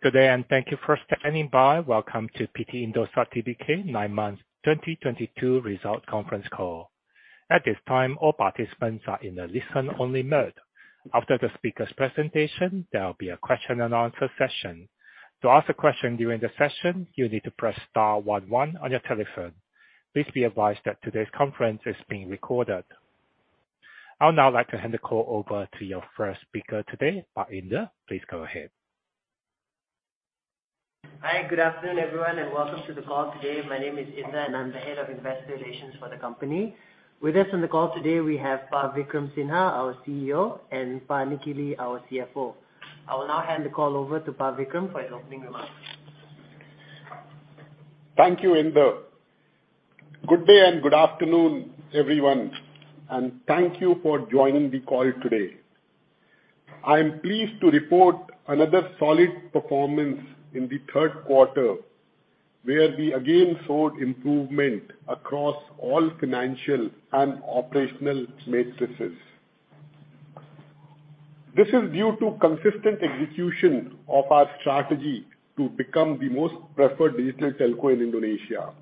Good day and thank you for standing by. Welcome to PT Indosat Tbk nine months 2022 results conference call. At this time, all participants are in a listen-only mode. After the speaker's presentation, there will be a question and answer session. To ask a question during the session, you need to press star one one on your telephone. Please be advised that today's conference is being recorded. I'll now like to hand the call over to your first speaker today, Indar Dhaliwal. Please go ahead. Hi, good afternoon, everyone, and welcome to the call today. My name is Indar, and I'm the Head of Investor Relations for the company. With us on the call today, we have Pak Vikram Sinha, our CEO, and Pak Nicky Lee, our CFO. I will now hand the call over to Pak Vikram for his opening remarks. Thank you, Indar. Good day and good afternoon, everyone, and thank you for joining the call today. I am pleased to report another solid performance in the third quarter, where we again saw improvement across all financial and operational metrics. This is due to consistent execution of our strategy to become the most preferred digital telco in Indonesia.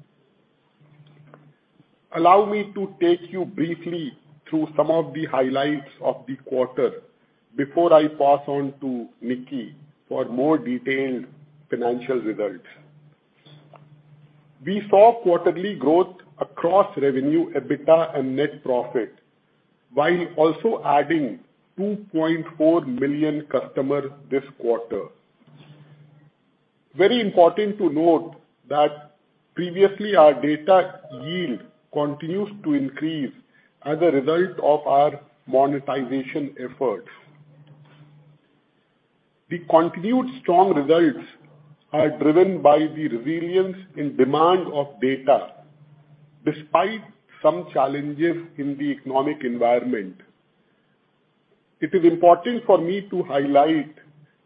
Allow me to take you briefly through some of the highlights of the quarter before I pass on to Nicky for more detailed financial results. We saw quarterly growth across revenue, EBITDA, and net profit, while also adding 2.4 million customers this quarter. Very important to note that previously our data yield continues to increase as a result of our monetization efforts. The continued strong results are driven by the resilience in demand of data, despite some challenges in the economic environment. It is important for me to highlight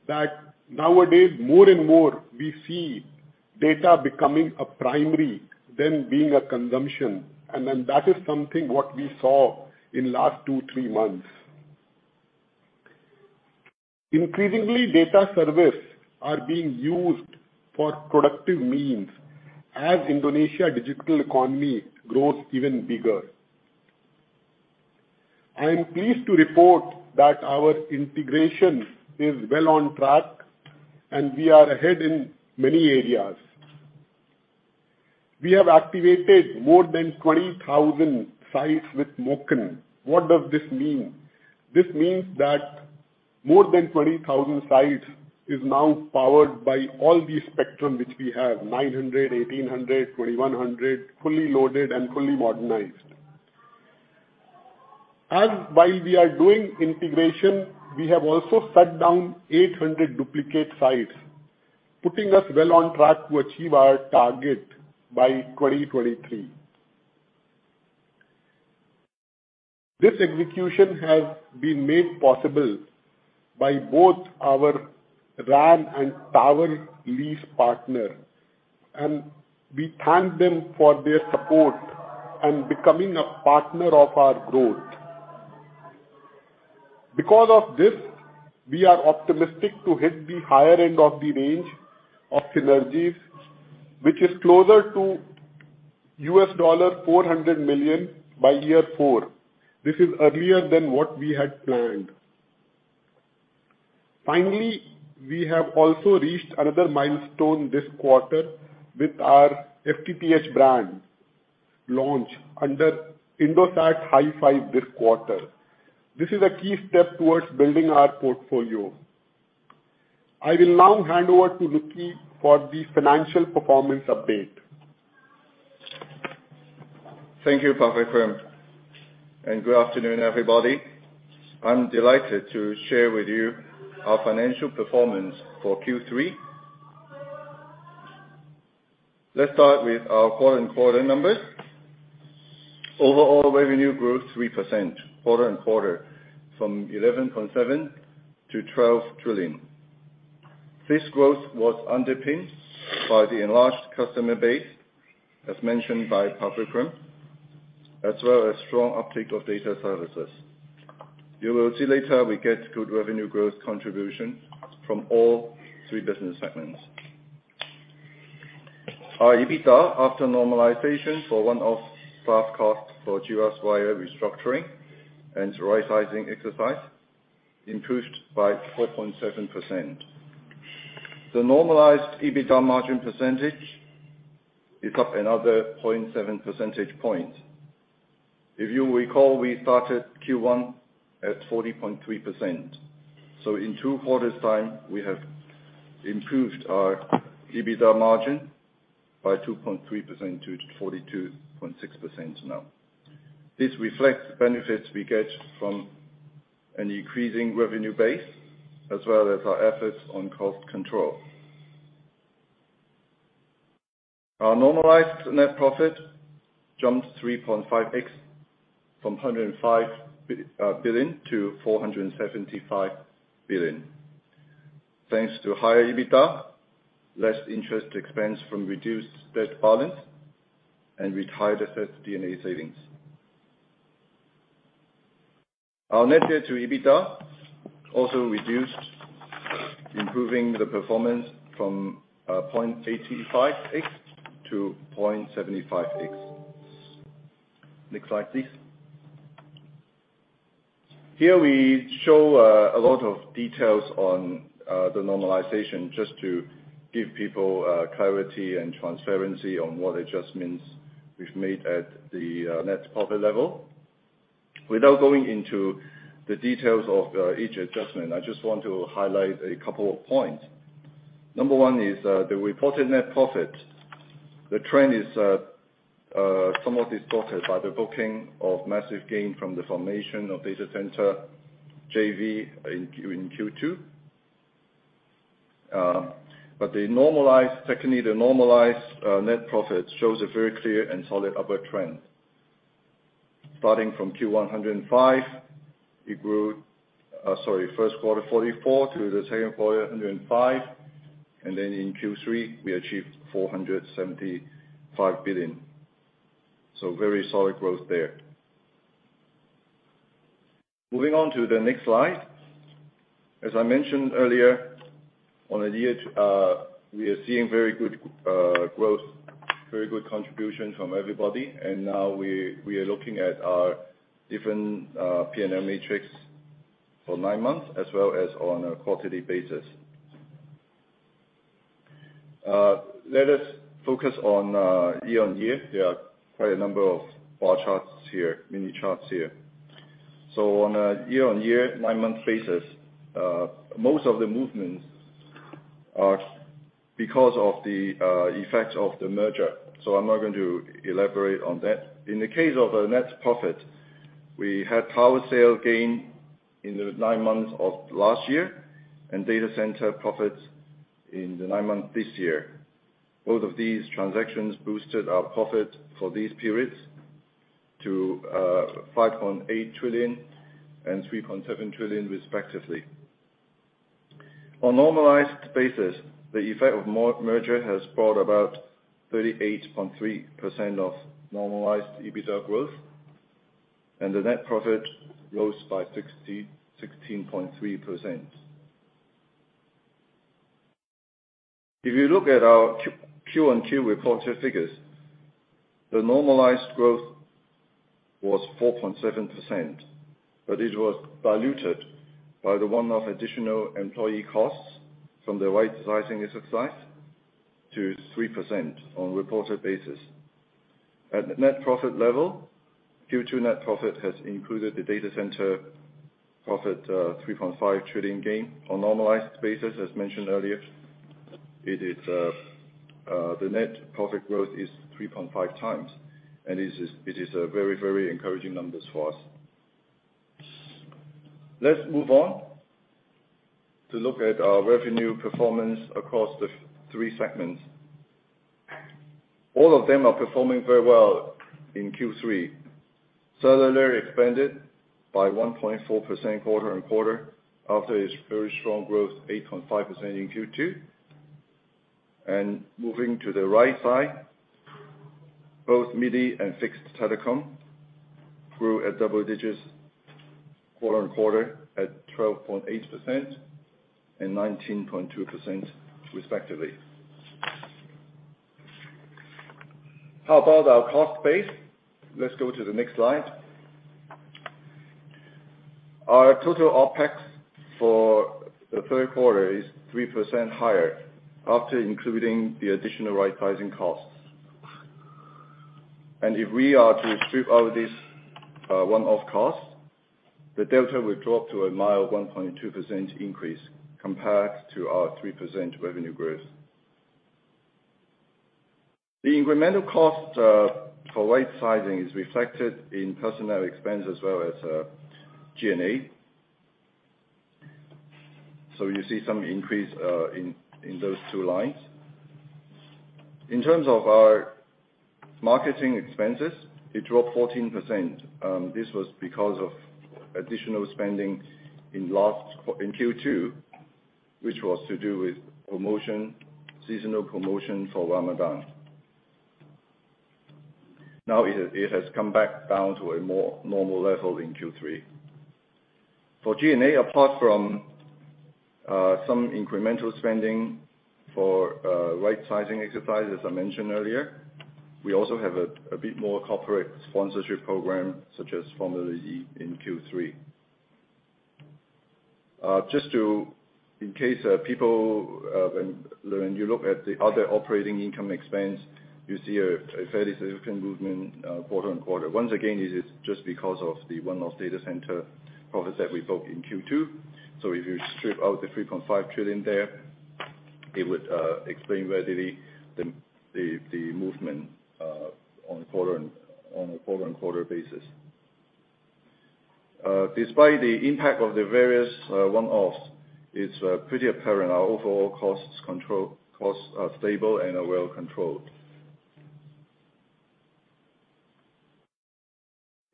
that nowadays, more and more we see data becoming a primary then being a consumption, and then that is something what we saw in last two to three months. Increasingly, data services are being used for productive means as Indonesia's digital economy grows even bigger. I am pleased to report that our integration is well on track, and we are ahead in many areas. We have activated more than 20,000 sites with MOCN. What does this mean? This means that more than 20,000 sites are now powered by all the spectrum which we have, 900, 1,800, 2,100, fully loaded and fully modernized. And while we are doing integration, we have also shut down 800 duplicate sites, putting us well on track to achieve our target by 2023. This execution has been made possible by both our RAN and tower lease partner. We thank them for their support and becoming a partner of our growth. Because of this, we are optimistic to hit the higher end of the range of synergies, which is closer to $400 million by year four. This is earlier than what we had planned. Finally, we have also reached another milestone this quarter with our FTTH brand launch under Indosat HiFi this quarter. This is a key step towards building our portfolio. I will now hand over to Nicky for the financial performance update. Thank you, Pak Vikram, and good afternoon, everybody. I'm delighted to share with you our financial performance for Q3. Let's start with our quarter-on-quarter numbers. Overall revenue grew 3% quarter-on-quarter from 11.7 trillion to 12 trillion. This growth was underpinned by the enlarged customer base, as mentioned by Pak Vikram, as well as strong uptake of data services. You will see later we get good revenue growth contribution from all three business segments. Our EBITDA after normalization for one-off staff cost for group-wide restructuring and rightsizing exercise improved by 4.7%. The normalized EBITDA margin percentage is up another 0.7 percentage points. If you recall, we started Q1 at 40.3%. In two quarters' time, we have improved our EBITDA margin by 2.3% to 42.6% now. This reflects the benefits we get from an increasing revenue base as well as our efforts on cost control. Our normalized net profit jumped 3.5x from 105 billion to 475 billion. Thanks to higher EBITDA, less interest expense from reduced debt balance, and retired assets D&A savings. Our net debt to EBITDA also reduced, improving the performance from 0.85x to 0.75x. Next slide, please. Here we show a lot of details on the normalization just to give people clarity and transparency on what adjustments we've made at the net profit level. Without going into the details of each adjustment, I just want to highlight a couple of points. Number one is the reported net profit. The trend is somewhat distorted by the booking of massive gain from the formation of data center JV in Q2. The normalized net profit shows a very clear and solid upward trend. Starting from Q1 105 billion, it grew first quarter 44 billion to the second quarter 105 billion, and then in Q3 we achieved 475 billion. Very solid growth there. Moving on to the next slide. As I mentioned earlier, on a year to we are seeing very good growth, very good contribution from everybody, and now we are looking at our different P&L matrix for nine months as well as on a quarterly basis. Let us focus on year-on-year. There are quite a number of bar charts here, many charts here. On a year-on-year nine-month basis, most of the movements are because of the effects of the merger, so I'm not going to elaborate on that. In the case of a net profit, we had tower sale gain in the nine months of last year and data center profits in the nine months this year. Both of these transactions boosted our profit for these periods to 5.8 trillion and 3.7 trillion respectively. On normalized basis, the effect of merger has brought about 38.3% normalized EBITDA growth, and the net profit rose by 16.3%. If you look at our Q-on-Q reported figures, the normalized growth was 4.7%, but it was diluted by the one-off additional employee costs from the right sizing exercise to 3% on reported basis. At net profit level, Q2 net profit has included the data center profit, 3.5 trillion gain. On normalized basis, as mentioned earlier, it is the net profit growth is 3.5x, and it is very very encouraging numbers for us. Let's move on to look at our revenue performance across the three segments. All of them are performing very well in Q3. Cellular expanded by 1.4% quarter-on-quarter after its very strong growth, 8.5% in Q2. Moving to the right side, both MIDI and fixed telecom grew at double digits quarter-on-quarter at 12.8% and 19.2% respectively. How about our cost base? Let's go to the next slide. Our total OpEx for the third quarter is 3% higher after including the additional rightsizing costs. If we are to strip out this one-off cost, the delta will drop to a mild 1.2% increase compared to our 3% revenue growth. The incremental cost for right sizing is reflected in personnel expense as well as G&A. You see some increase in those two lines. In terms of our marketing expenses, it dropped 14%, this was because of additional spending in Q2, which was to do with promotion, seasonal promotion for Ramadan. It has come back down to a more normal level in Q3. For G&A, apart from some incremental spending for right sizing exercise, as I mentioned earlier, we also have a bit more corporate sponsorship program such as Formula E in Q3. In case people, when you look at the other operating income expense, you see a fairly significant movement quarter-on-quarter. Once again, it is just because of the one-off data center profits that we booked in Q2. If you strip out the 3.5 trillion there, it would explain readily the movement on a quarter-on-quarter basis. Despite the impact of the various one-offs, it's pretty apparent our overall costs are stable and are well controlled.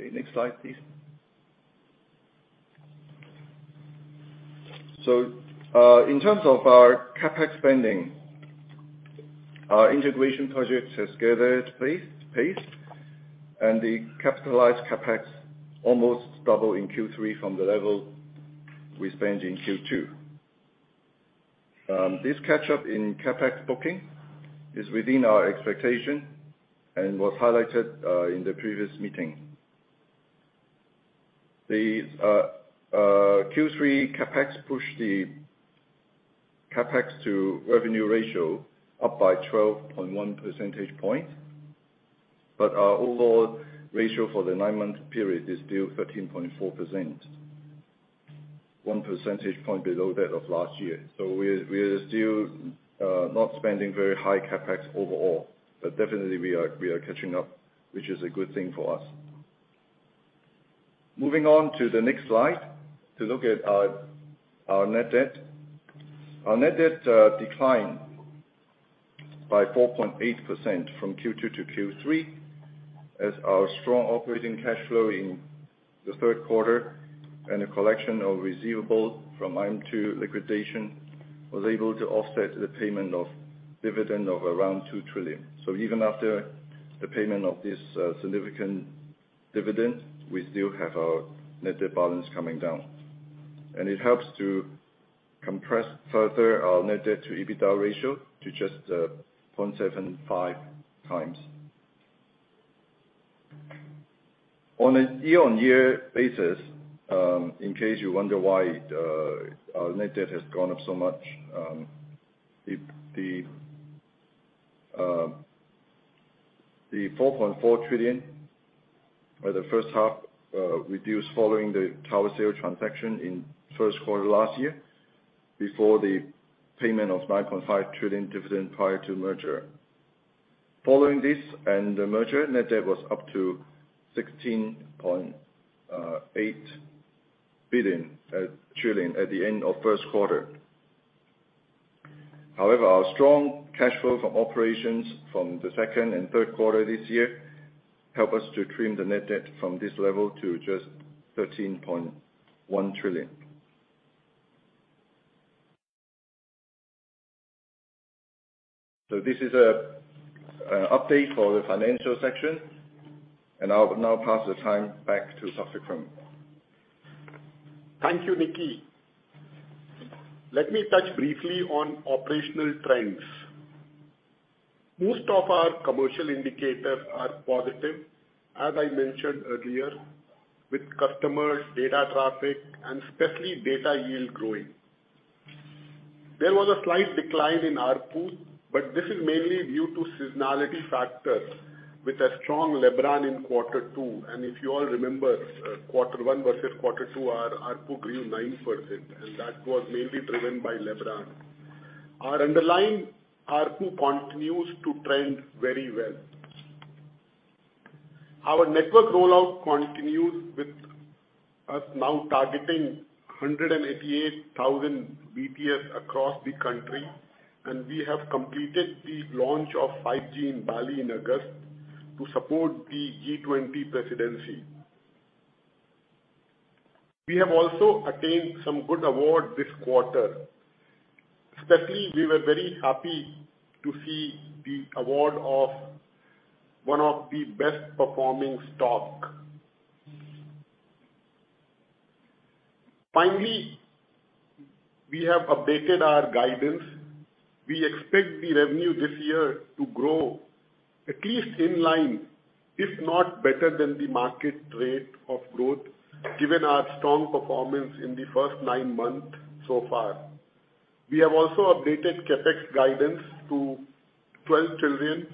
Okay, next slide, please. In terms of our CapEx spending, our integration project has gathered pace, and the capitalized CapEx almost double in Q3 from the level we spent in Q2. This catch-up in CapEx booking is within our expectation and was highlighted in the previous meeting. These Q3 CapEx pushed the CapEx to revenue ratio up by 12.1 percentage point, but our overall ratio for the nine-month period is still 13.4%, one percentage point below that of last year. We're, we are still not spending very high CapEx overall. Definitely we are catching up, which is a good thing for us. Moving on to the next slide to look at our net debt. Our net debt declined by 4.8% from Q2 to Q3, as our strong operating cash flow in the third quarter and a collection of receivables from IM2 liquidation was able to offset the payment of dividend of around 2 trillion. Even after the payment of this significant dividend, we still have our net debt balance coming down. It helps to compress further our net debt to EBITDA ratio to just 0.75x. On a year-on-year basis, in case you wonder why our net debt has gone up so much, the 4.4 trillion for the first half reduced following the tower sale transaction in first quarter last year before the payment of 9.5 trillion dividend prior to merger. Following this and the merger, net debt was up to 16.8 trillion at the end of first quarter. However, our strong cash flow from operations from the second and third quarter this year help us to trim the net debt from this level to just 13.1 trillion. This is a update for the financial section, and I'll now pass the time back to Vikram. Thank you, Nicky. Let me touch briefly on operational trends. Most of our commercial indicators are positive, as I mentioned earlier, with customers, data traffic, and especially data yield growing. There was a slight decline in ARPU, but this is mainly due to seasonality factors with a strong Lebaran in quarter two. If you all remember, quarter one versus quarter two, our ARPU grew 9%, and that was mainly driven by Lebaran. Our underlying ARPU continues to trend very well. Our network rollout continues with us now targeting 188,000 BTS across the country, and we have completed the launch of 5G in Bali in August to support the G20 presidency. We have also attained some good awards this quarter. Especially we were very happy to see the award of one of the best performing stock. Finally, we have updated our guidance. We expect the revenue this year to grow at least in line, if not better than the market rate of growth, given our strong performance in the first nine months so far. We have also updated CapEx guidance to 12 trillion,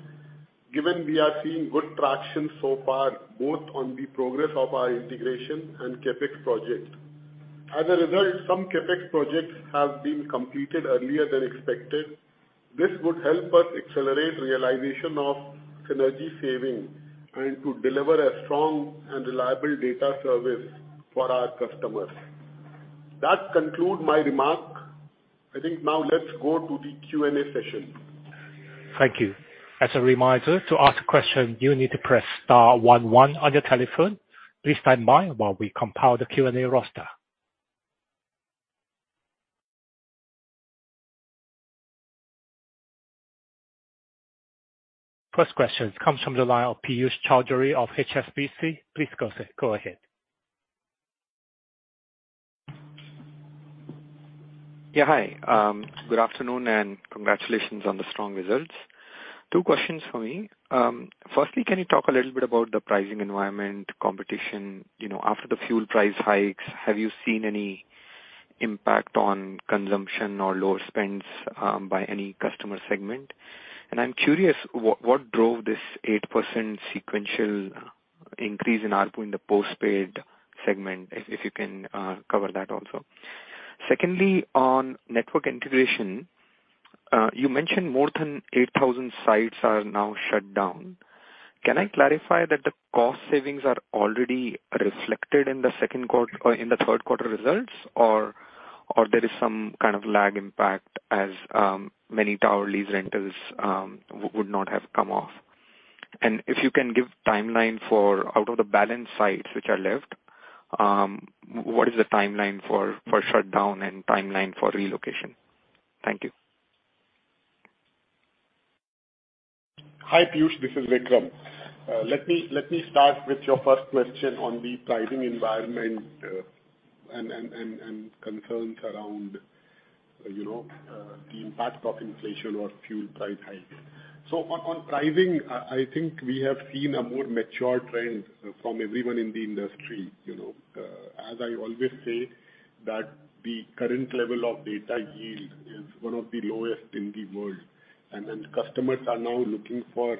given we are seeing good traction so far, both on the progress of our integration and CapEx project. As a result, some CapEx projects have been completed earlier than expected. This would help us accelerate realization of synergy saving and to deliver a strong and reliable data service for our customers. That conclude my remark. I think now let's go to the Q&A session. Thank you. As a reminder, to ask a question, you need to press star one one on your telephone. Please stand by while we compile the Q&A roster. First question comes from the line of Piyush Choudhary of HSBC. Please go ahead. Yeah, hi. Good afternoon and congratulations on the strong results. Two questions for me. Firstly, can you talk a little bit about the pricing environment, competition? You know, after the fuel price hikes, have you seen any impact on consumption or lower spends by any customer segment? I'm curious what drove this 8% sequential increase in ARPU in the postpaid segment, if you can cover that also. Secondly, on network integration, you mentioned more than 8,000 sites are now shut down. Can I clarify that the cost savings are already reflected in the second quarter? In the third quarter results or there is some kind of lag impact as many tower lease rentals would not have come off? If you can give timeline for off-balance sites which are left, what is the timeline for shutdown and timeline for relocation? Thank you. Hi, Piyush, this is Vikram. Let me start with your first question on the pricing environment and concerns around, you know, the impact of inflation or fuel price hike. On pricing, I think we have seen a more mature trend from everyone in the industry, you know. As I always say that the current level of data yield is one of the lowest in the world, and then customers are now looking for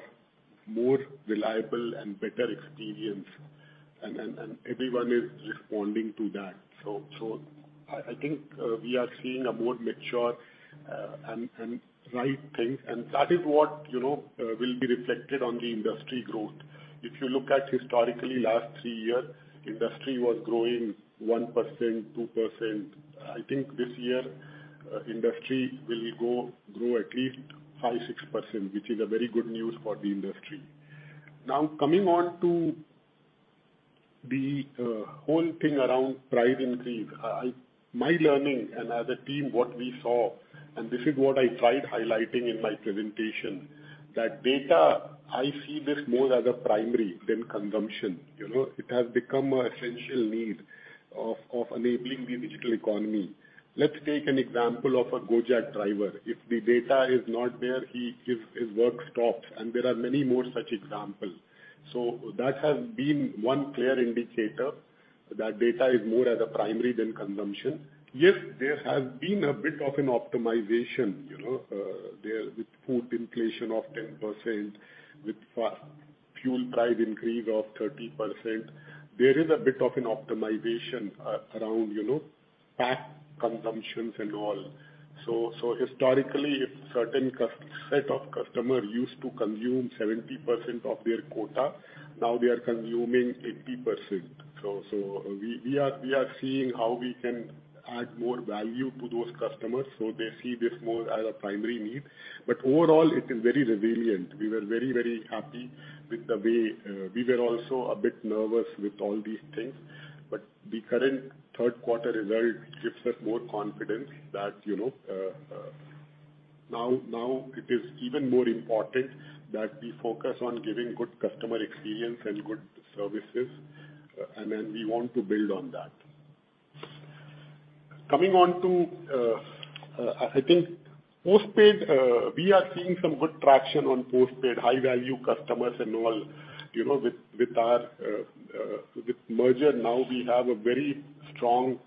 more reliable and better experience, and everyone is responding to that. I think we are seeing a more mature and right thing, and that is what, you know, will be reflected on the industry growth. If you look at historically last three years, industry was growing 1%, 2%. I think this year, industry will grow at least 5%-6%, which is a very good news for the industry. Now, coming on to the whole thing around price increase, my learning and as a team what we saw, and this is what I tried highlighting in my presentation, that data, I see this more as a primary than consumption. You know? It has become an essential need of enabling the digital economy. Let's take an example of a Gojek driver. If the data is not there, his work stops, and there are many more such examples. That has been one clear indicator that data is more as a primary than consumption. Yes, there has been a bit of an optimization, you know, there with food inflation of 10%, with fuel price increase of 30%. There is a bit of an optimization around, you know, pack consumptions and all. Historically, if certain set of customers used to consume 70% of their quota, now they are consuming 80%. We are seeing how we can add more value to those customers, so they see this more as a primary need. Overall it is very resilient. We were very happy with the way we were also a bit nervous with all these things, but the current third quarter result gives us more confidence that, you know, now it is even more important that we focus on giving good customer experience and good services, and then we want to build on that. Coming on to, I think postpaid, we are seeing some good traction on postpaid, high-value customers and all. You know, with our merger now we have a very strong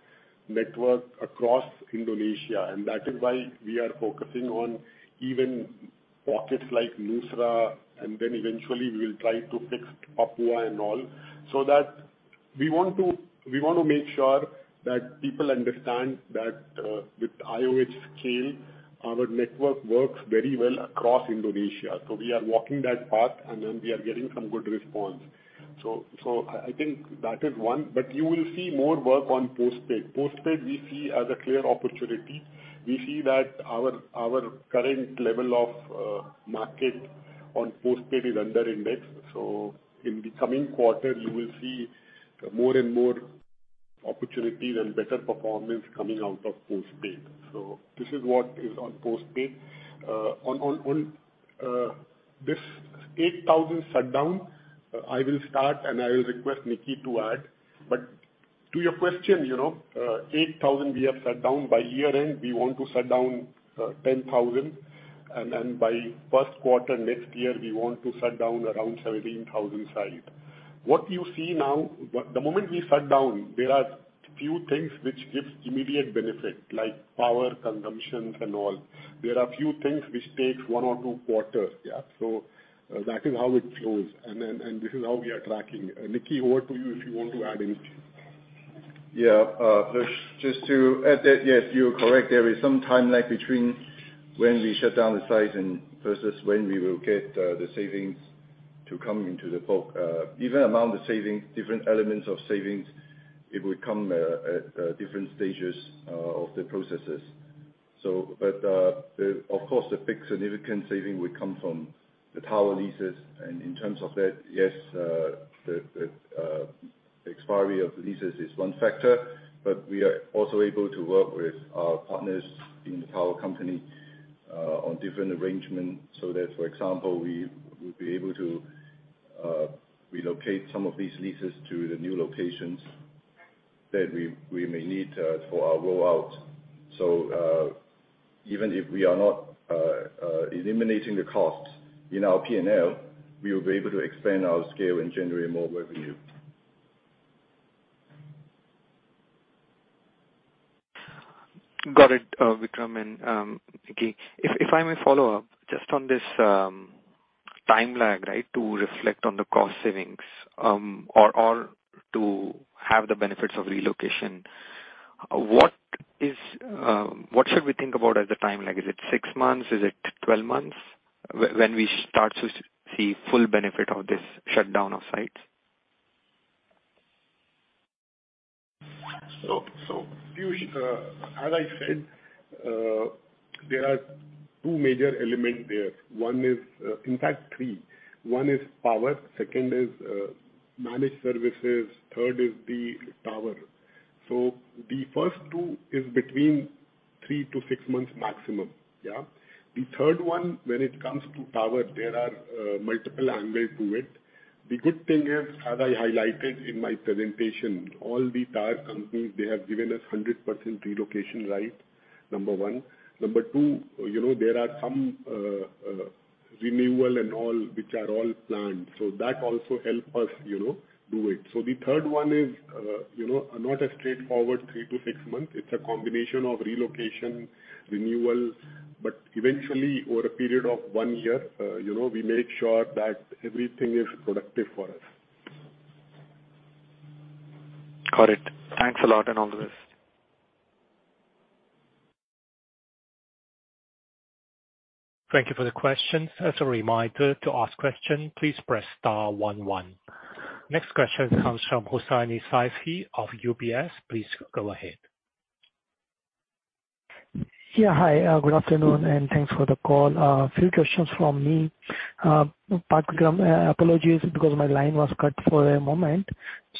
network across Indonesia, and that is why we are focusing on even pockets like Nusa Tenggara, and then eventually we will try to fix Papua and all, so that we want to make sure that people understand that, with IOH scale, our network works very well across Indonesia. We are walking that path, and then we are getting some good response. I think that is one, but you will see more work on postpaid. Postpaid we see as a clear opportunity. We see that our current level of market on postpaid is under index. In the coming quarter you will see more and more opportunities and better performance coming out of postpaid. This is what is on postpaid. On this 8,000 shutdown, I will start and I will request Nicky to add. To your question, you know, 8,000 we have shut down. By year-end, we want to shut down 10,000. By first quarter next year, we want to shut down around 17,500. What you see now, the moment we shut down, there are few things which gives immediate benefit, like power consumption and all. There are few things which take one or two quarters, yeah. That is how it flows. This is how we are tracking. Nicky, over to you if you want to add anything. Yeah. Just to add that, yes, you are correct. There is some time lag between when we shut down the sites and versus when we will get the savings to come into the book. Even among the savings, different elements of savings, it will come at different stages of the processes. Of course, the big significant savings will come from the tower leases. In terms of that, yes, the expiry of leases is one factor, but we are also able to work with our partners in the power company on different arrangements so that, for example, we'll be able to relocate some of these leases to the new locations that we may need for our rollout. Even if we are not eliminating the costs in our P&L, we will be able to expand our scale and generate more revenue. Got it, Vikram and Nicky. If I may follow up just on this time lag, right, to reflect on the cost savings, or to have the benefits of relocation, what should we think about as the time lag? Is it six months? Is it 12 months when we start to see full benefit of this shutdown of sites? Piyush, as I said, there are two major elements there. In fact, three. One is power, second is managed services, third is the tower. The first two is between three to six months maximum. Yeah. The third one, when it comes to tower, there are multiple angles to it. The good thing is, as I highlighted in my presentation, all the tower companies, they have given us 100% relocation right. Number one. Number two, you know, there are some renewal and all which are all planned, so that also help us, you know, do it. The third one is, you know, not a straightforward three to six months. It is a combination of relocation, renewal, but eventually over a period of one year, you know, we make sure that everything is productive for us. Got it. Thanks a lot, and all the best. Thank you for the question. As a reminder, to ask question, please press star one one. Next question comes from Hussaini Saifee of UBS. Please go ahead. Yeah. Hi, good afternoon, and thanks for the call. A few questions from me. Apologies because my line was cut for a moment.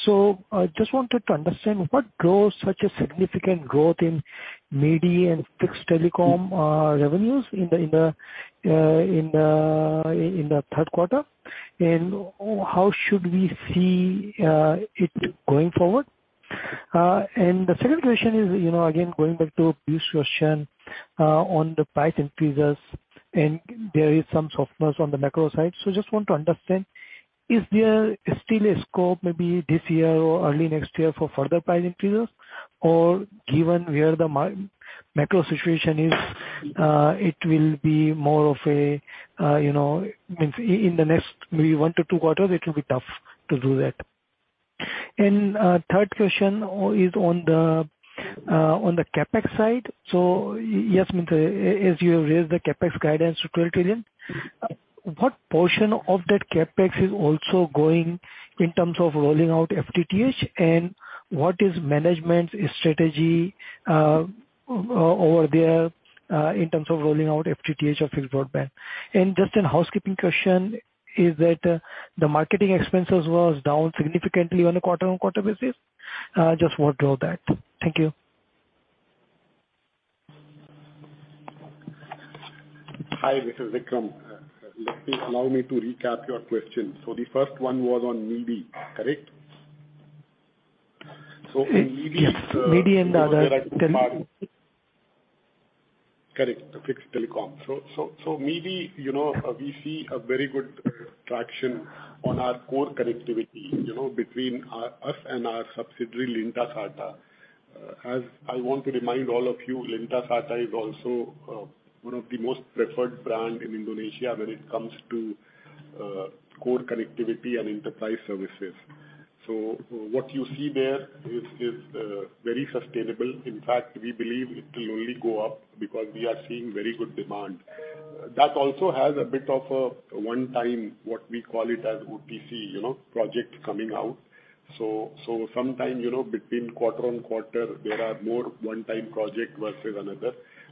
I just wanted to understand what drove such a significant growth in MIDI and fixed telecom revenues in the third quarter? And how should we see it going forward? The second question is, you know, again, going back to Piyush's question, on the price increases, and there is some softness on the macro side. Just want to understand, is there still a scope maybe this year or early next year for further price increases? Given where the macro situation is, it will be more of a, you know, in the next maybe one to two quarters it will be tough to do that. Third question is on the CapEx side. Vikram Sinha, as you raised the CapEx guidance to 12 trillion, what portion of that CapEx is also going in terms of rolling out FTTH, and what is management's strategy over there in terms of rolling out FTTH or fixed broadband? Just a housekeeping question is that the marketing expenses was down significantly on a quarter-over-quarter basis. Just what drove that? Thank you. Hi, this is Vikram. Allow me to recap your question. The first one was on MIDI, correct? Yes. MIDI and the other. Correct. The fixed telecom. MIDI, you know, we see a very good traction on our core connectivity, you know, between us and our subsidiary, Lintasarta. As I want to remind all of you, Lintasarta is also one of the most preferred brand in Indonesia when it comes to core connectivity and enterprise services. What you see there is very sustainable. In fact, we believe it will only go up because we are seeing very good demand. That also has a bit of a one-time, what we call it as OTC, you know, project coming out. So sometimes, you know, between quarter-on-quarter there are more one-time project versus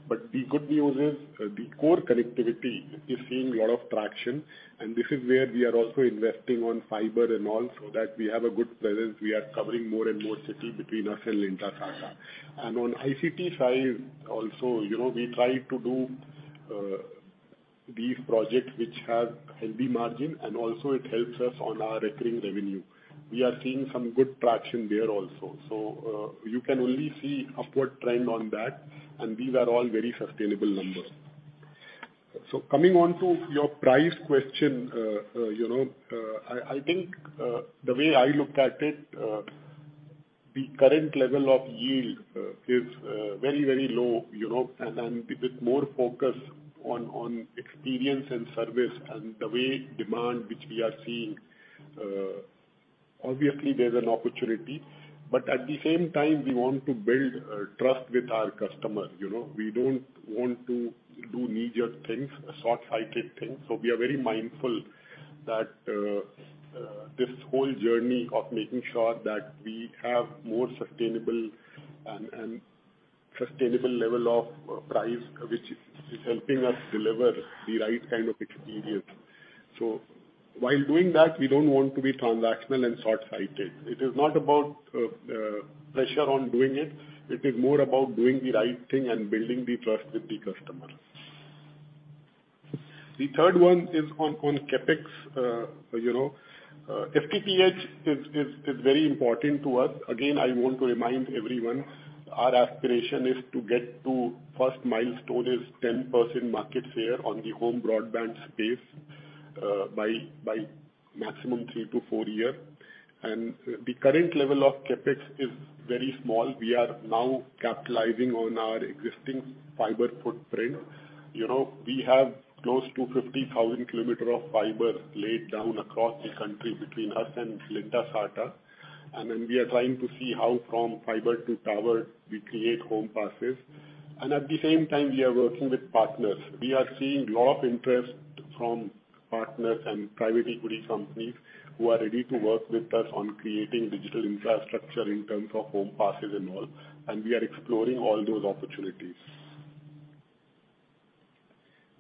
another. The good news is, the core connectivity is seeing a lot of traction, and this is where we are also investing on fiber and all so that we have a good presence. We are covering more and more city between us and Lintasarta. On ICT side also, you know, we try to do these projects which have healthy margin and also it helps us on our recurring revenue. We are seeing some good traction there also. You can only see upward trend on that, and these are all very sustainable numbers. Coming on to your price question. You know, I think the way I look at it, the current level of yield is very, very low, you know, and with it more focused on experience and service and the way demand which we are seeing, obviously there's an opportunity. At the same time we want to build trust with our customer, you know. We don't want to do knee-jerk things, short-sighted things. We are very mindful that this whole journey of making sure that we have more sustainable and sustainable level of price which is helping us deliver the right kind of experience. While doing that, we don't want to be transactional and short-sighted. It is not about pressure on doing it. It is more about doing the right thing and building the trust with the customer. The third one is on CapEx. You know, FTTH is very important to us. Again, I want to remind everyone our aspiration is to get to first milestone is 10% market share on the home broadband space, by maximum three to four year. The current level of CapEx is very small. We are now capitalizing on our existing fiber footprint. You know, we have close to 50,000 km of fiber laid down across the country between us and Lintasarta, and then we are trying to see how from fiber to tower we create home passes. At the same time we are working with partners. We are seeing a lot of interest from partners and private equity companies who are ready to work with us on creating digital infrastructure in terms of home passes and all, and we are exploring all those opportunities.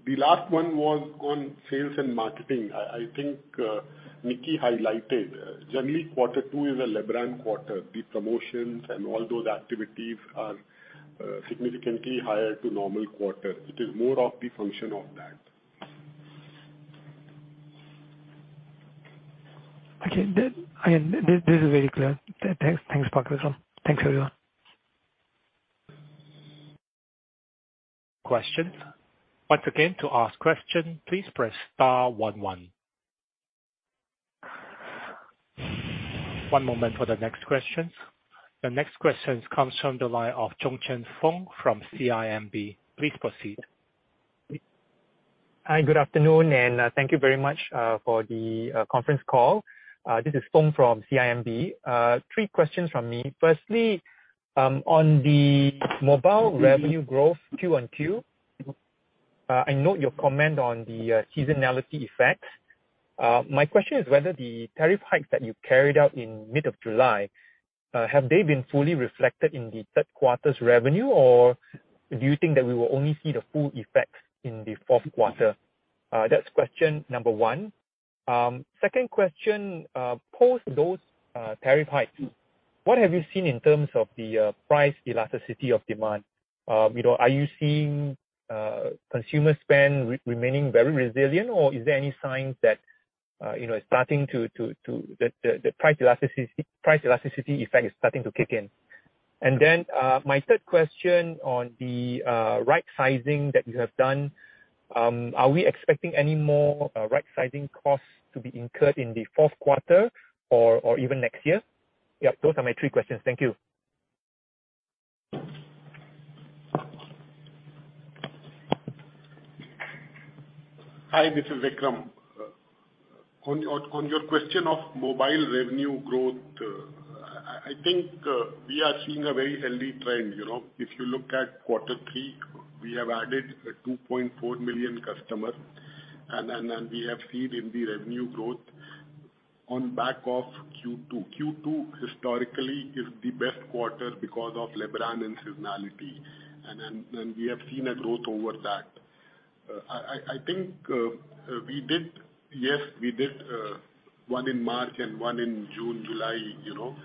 The last one was on sales and marketing. I think Nicky highlighted. Generally, quarter two is a Lebaran quarter. The promotions and all those activities are significantly higher than normal quarter. It is more a function of that. This is very clear. Thanks, Pak Vikram. Thanks, everyone. Questions. Once again, to ask question, please press star one one. One moment for the next question. The next question comes from the line of Choong Chen Foong from CIMB. Please proceed. Hi, good afternoon, and thank you very much for the conference call. This is Foong from CIMB. Three questions from me. Firstly, on the mobile revenue growth Q-on-Q, I note your comment on the seasonality effects. My question is whether the tariff hikes that you carried out in mid-July have they been fully reflected in the third quarter's revenue, or do you think that we will only see the full effects in the fourth quarter. That's question number one. Second question, post those tariff hikes, what have you seen in terms of the price elasticity of demand. You know, are you seeing consumer spend remaining very resilient, or is there any signs that you know it's starting to. The price elasticity effect is starting to kick in? My third question on the right sizing that you have done, are we expecting any more right-sizing costs to be incurred in the fourth quarter or even next year? Yeah. Those are my three questions. Thank you. Hi, this is Vikram. On your question of mobile revenue growth, I think we are seeing a very healthy trend, you know. If you look at quarter three, we have added 2.4 million customer. We have seen revenue growth on back of Q2. Q2 historically is the best quarter because of Lebaran and seasonality. We have seen a growth over that. I think we did. Yes, we did one in March and one in June, July, you know.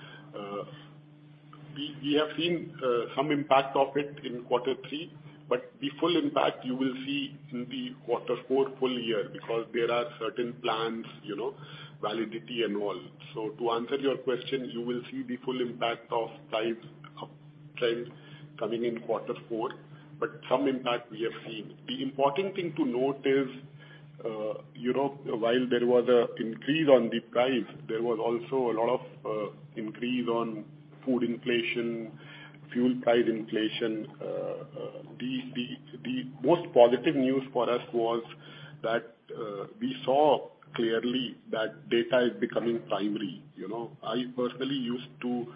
We have seen some impact of it in quarter three, but the full impact you will see in quarter four full year because there are certain plans, you know, validity and all. To answer your question, you will see the full impact of price uptrend coming in quarter four, but some impact we have seen. The important thing to note is while there was an increase in the price, there was also a lot of increase in food inflation, fuel price inflation. The most positive news for us was that we saw clearly that data is becoming primary. I personally used to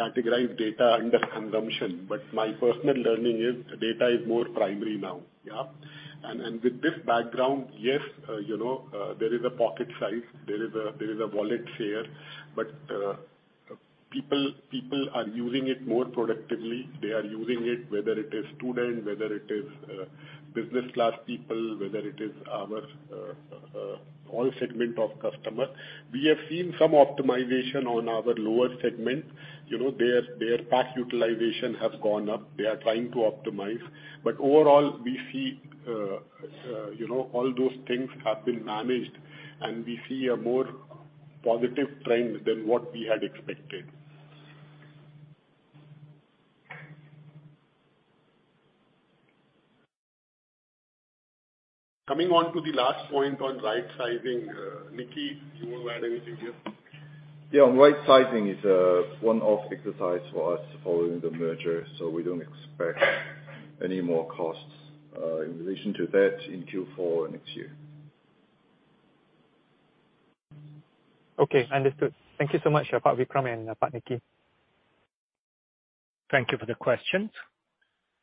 categorize data under consumption, but my personal learning is data is more primary now. Yeah? With this background, yes, there is a pocket size, there is a wallet share, but people are using it more productively. They are using it, whether it is student, whether it is, business class people, whether it is our, all segment of customer. We have seen some optimization on our lower segment. You know, their pack utilization has gone up. They are trying to optimize. Overall, we see, you know, all those things have been managed, and we see a more positive trend than what we had expected. Coming on to the last point on right sizing, Nicky, do you wanna add anything here? Yeah, rightsizing is a one-off exercise for us following the merger, so we don't expect any more costs in relation to that in Q4 next year. Okay. Understood. Thank you so much, Pak Vikram and Nicky Lee. Thank you for the questions.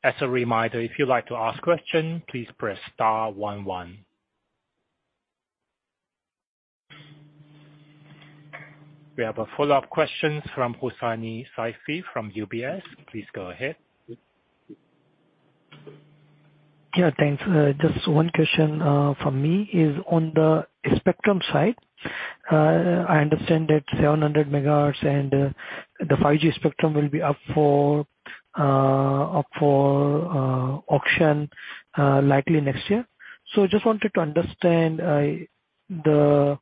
As a reminder, if you'd like to ask question, please press star one one. We have a follow-up questions from Hussaini Saifee from UBS. Please go ahead. Yeah. Thanks. Just one question from me is on the spectrum side. I understand that 700 MHz and the 5G spectrum will be up for auction likely next year. Just wanted to understand the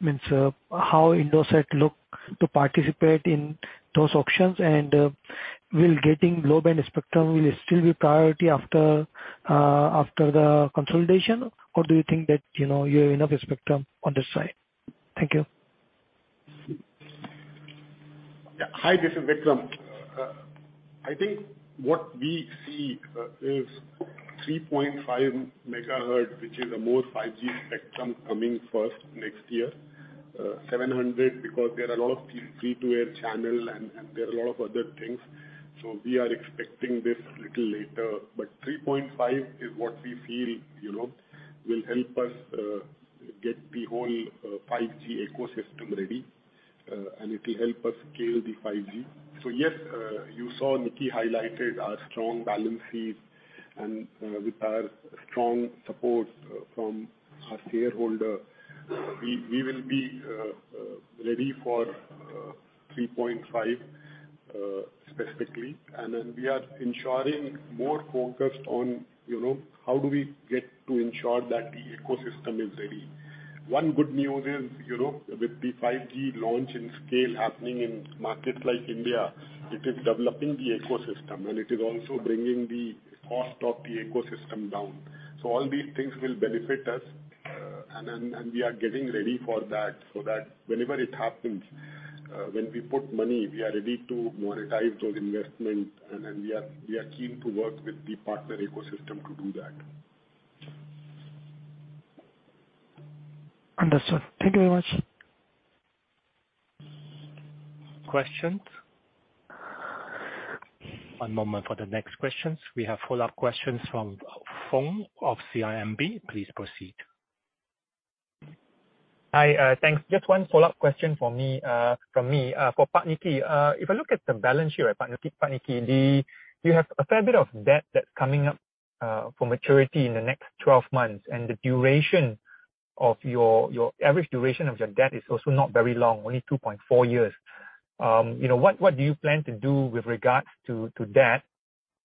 means how Indosat look to participate in those auctions, and will getting low-band spectrum will still be priority after the consolidation, or do you think that you know you have enough spectrum on this side? Thank you. Yeah. Hi, this is Vikram. I think what we see is 3.5 MHz, which is more 5G spectrum coming first next year. 700 MHz because there are a lot of free-to-air channels and there are a lot of other things. We are expecting this a little later. 3.5 MHz is what we feel, you know, will help us get the whole 5G ecosystem ready, and it'll help us scale the 5G. Yes, you saw Nicky highlighted our strong balance sheet and, with our strong support from our shareholder, we will be ready for 3.5 MHz specifically. We are more focused on, you know, how we ensure that the ecosystem is ready. One good news is, you know, with the 5G launch and scale happening in markets like India, it is developing the ecosystem, and it is also bringing the cost of the ecosystem down. All these things will benefit us, and we are getting ready for that, so that whenever it happens, when we put money, we are ready to monetize those investment. We are keen to work with the partner ecosystem to do that. Understood. Thank you very much. Questions? One moment for the next questions. We have follow-up questions from Foong of CIMB. Please proceed. Hi, thanks. Just one follow-up question from me for Nicky Lee. If I look at the balance sheet, Nicky Lee, you have a fair bit of debt that's coming up for maturity in the next 12 months, and the average duration of your debt is also not very long, only 2.4 years. You know, what do you plan to do with regards to debt?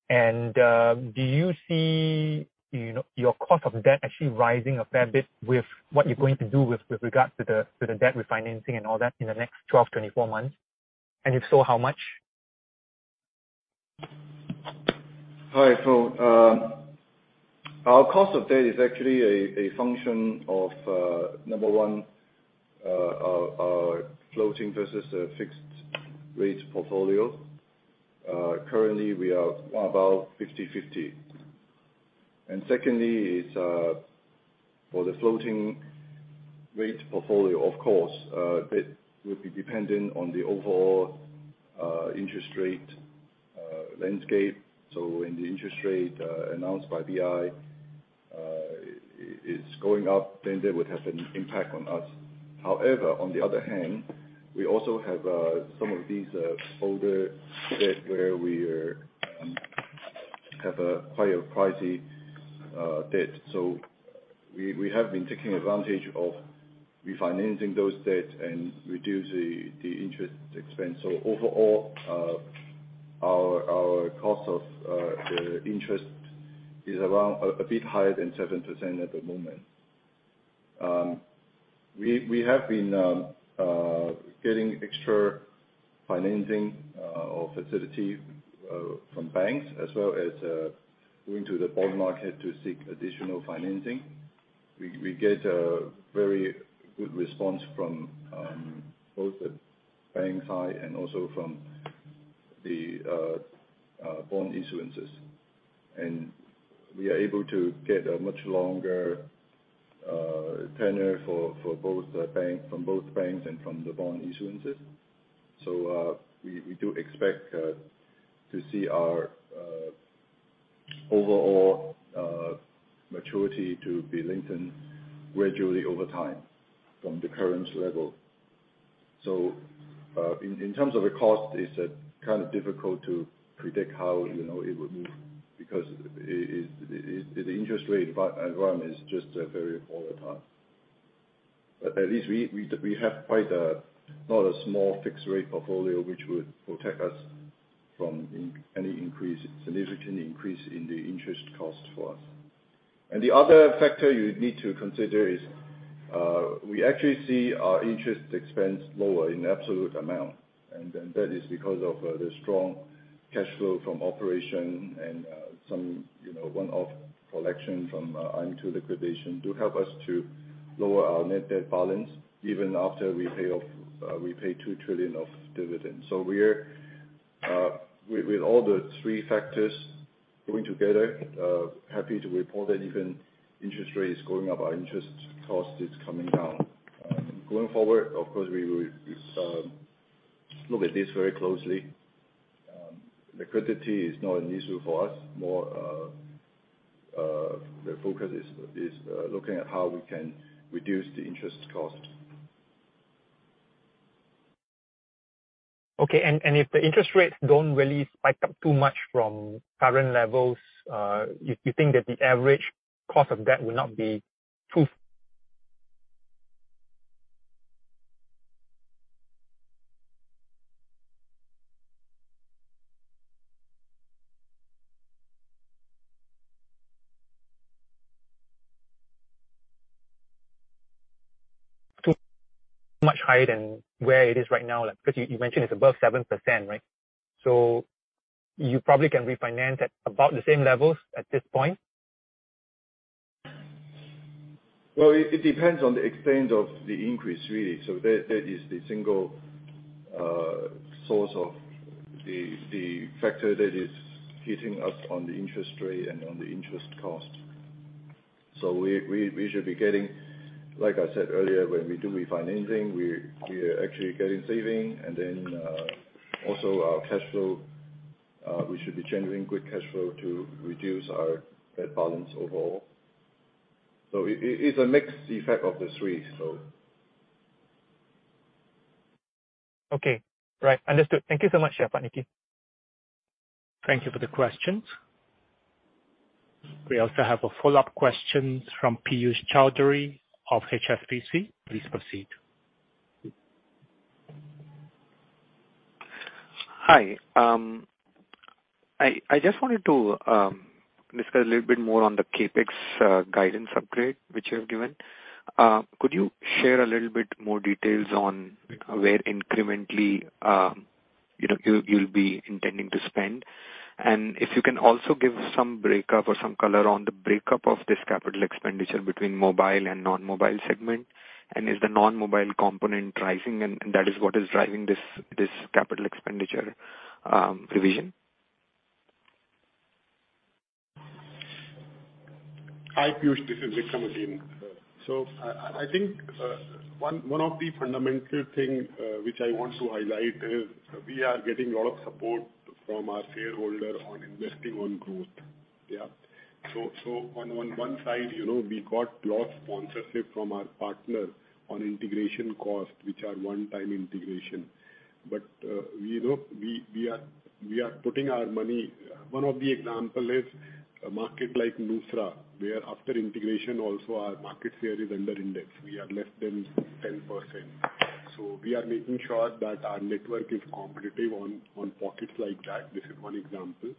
And do you see, you know, your cost of debt actually rising a fair bit with what you're going to do with regards to the debt refinancing and all that in the next 12 months, 24 months? And if so, how much? Hi, our cost of debt is actually a function of number one, our floating versus fixed rate portfolio. Currently, we are about 50/50. Secondly is for the floating rate portfolio, of course, that would be dependent on the overall interest rate landscape. When the interest rate announced by BI is going up, then that would have an impact on us. However, on the other hand, we also have some of these older debts where we have a higher priced debt. We have been taking advantage of refinancing those debts and reduce the interest expense. Overall, our cost of the interest is around a bit higher than 7% at the moment. We have been getting extra financing or facility from banks as well as going to the bond market to seek additional financing. We get a very good response from both the bank side and also from the bond issuances. We are able to get a much longer tenure from both banks and from the bond issuances. We do expect to see our overall maturity to be lengthen gradually over time from the current level. In terms of the cost, it's kind of difficult to predict how, you know, it would move because the interest rate environment is just very volatile. At least we have quite a not-small fixed-rate portfolio, which would protect us from any significant increase in the interest cost for us. The other factor you need to consider is we actually see our interest expense lower in absolute amount. That is because of the strong cash flow from operation and some you know one-off collection from IM2 liquidation do help us to lower our net debt balance even after we pay 2 trillion of dividends. We're with all three factors going together happy to report that even interest rate is going up, our interest cost is coming down. Going forward, of course, we will look at this very closely. Liquidity is not an issue for us. The focus is looking at how we can reduce the interest costs. Okay. If the interest rates don't really spike up too much from current levels, you think that the average cost of debt will not be too much higher than where it is right now? Like, 'cause you mentioned it's above 7%, right? You probably can refinance at about the same levels at this point? Well, it depends on the extent of the increase really. That is the single source of the factor that is hitting us on the interest rate and on the interest cost. We should be getting, like I said earlier, when we do refinancing, we're actually getting savings and then also our cash flow. We should be generating good cash flow to reduce our debt balance overall. It's a mixed effect of the three. Okay. Right. Understood. Thank you so much, Sir Pak Nicky. Thank you for the question. We also have a follow-up question from Piyush Choudhary of HSBC. Please proceed. Hi. I just wanted to discuss a little bit more on the CapEx, guidance upgrade which you have given. Could you share a little bit more details on where incrementally, you know, you'll be intending to spend? If you can also give some breakup or some color on the breakup of this capital expenditure between mobile and non-mobile segment. Is the non-mobile component rising and that is what is driving this capital expenditure, revision? Hi, Piyush, this is Vikram again. I think one of the fundamental thing which I want to highlight is we are getting a lot of support from our shareholder on investing on growth. Yeah. On one side, you know, we got lot of sponsorship from our partner on integration cost, which are one-time integration. But we are putting our money. One of the example is a market like Nusa Tenggara, where after integration also our market share is under index. We are less than 10%. So we are making sure that our network is competitive on pockets like that. This is one example.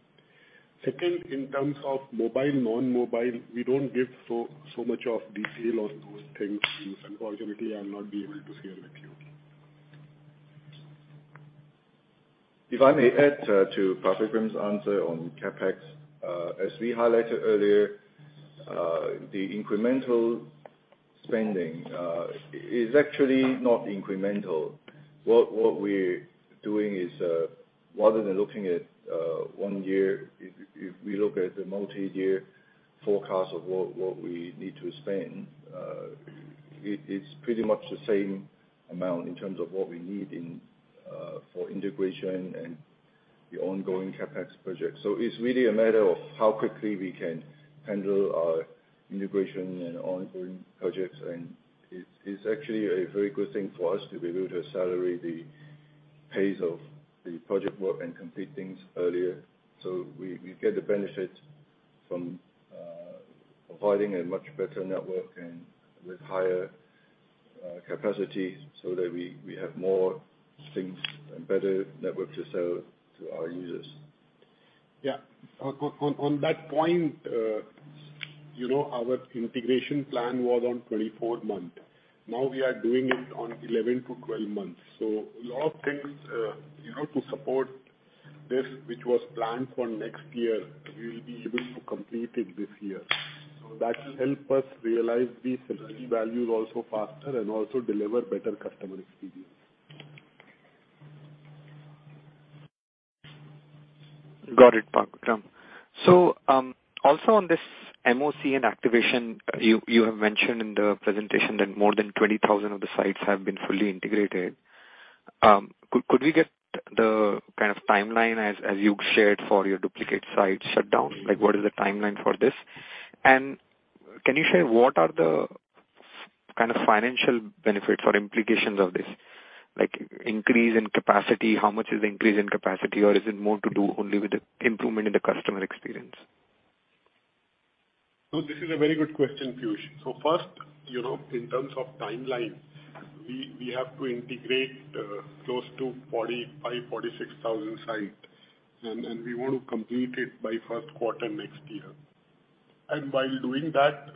Second, in terms of mobile, non-mobile, we don't give so much of detail on those things. Unfortunately, I'll not be able to share with you. If I may add to Pak Vikram's answer on CapEx. As we highlighted earlier, the incremental spending is actually not incremental. What we're doing is rather than looking at one year, if we look at the multi-year forecast of what we need to spend, it is pretty much the same amount in terms of what we need in for integration and the ongoing CapEx project. It's really a matter of how quickly we can handle our integration and ongoing projects. It's actually a very good thing for us to be able to accelerate the pace of the project work and complete things earlier. We get the benefit from providing a much better network and with higher capacity so that we have more things and better network to sell to our users. Yeah. On that point, you know, our integration plan was on 24-month. Now we are doing it on 11 months-12 months. A lot of things, you know, to support this, which was planned for next year, we'll be able to complete it this year. That help us realize the synergy value also faster and also deliver better customer experience. Got it, Pak Vikram. Also on this MOCN activation, you have mentioned in the presentation that more than 20,000 of the sites have been fully integrated. Could we get the kind of timeline as you've shared for your duplicate site shutdown? Like, what is the timeline for this? And can you share what are the kind of financial benefits or implications of this? Like increase in capacity, how much is the increase in capacity, or is it more to do only with the improvement in the customer experience? This is a very good question, Piyush. First, you know, in terms of timeline, we have to integrate close to 45,000 sites-46,000 sites. We want to complete it by first quarter next year. While doing that,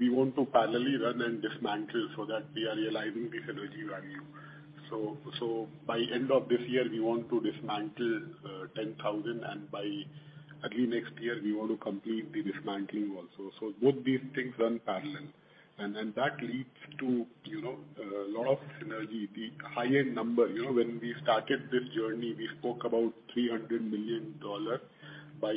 we want to parallelly run and dismantle so that we are realizing the synergy value. By end of this year, we want to dismantle 10,000, and by early next year we want to complete the dismantling also. Both these things run parallel. Then that leads to, you know, lot of synergy. The high-end number, you know, when we started this journey, we spoke about $300 million by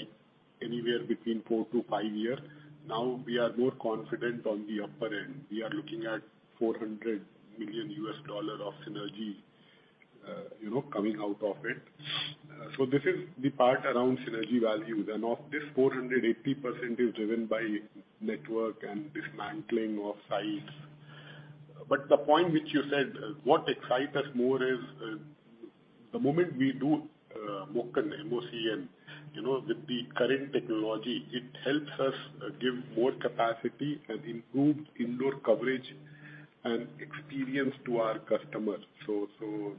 anywhere between four to five years. Now we are more confident on the upper end. We are looking at $400 million of synergy, you know, coming out of it. This is the part around synergy value. Of this, 480% is driven by network and dismantling of sites. The point which you said, what excite us more is, the moment we do MOCN, you know, with the current technology, it helps us give more capacity and improve indoor coverage and experience to our customers.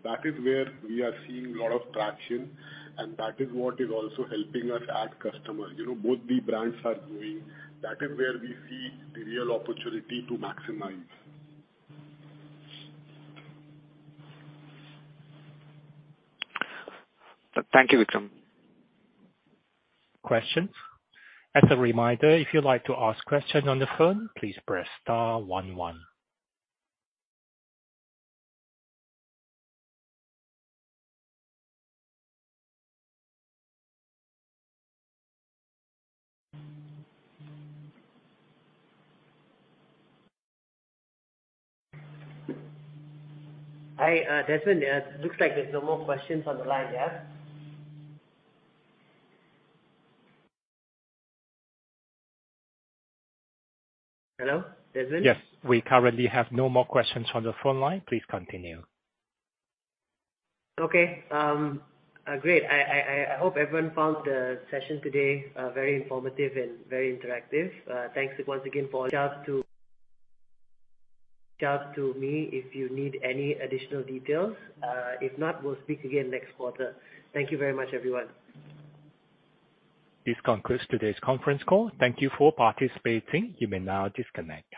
That is where we are seeing lot of traction, and that is what is also helping us add customer. You know, both the brands are growing. That is where we see the real opportunity to maximize. Thank you, Vikram. Questions? As a reminder, if you'd like to ask questions on the phone, please press star one one. Hi, Desmond. Looks like there's no more questions on the line. Yeah? Hello? Desmond? Yes. We currently have no more questions on the phone line. Please continue. Okay. Great. I hope everyone found the session today very informative and very interactive. Thanks once again. Reach out to me if you need any additional details. If not, we'll speak again next quarter. Thank you very much, everyone. This concludes today's conference call. Thank you for participating. You may now disconnect.